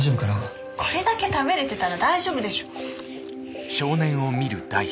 これだけ食べれてたら大丈夫でしょ！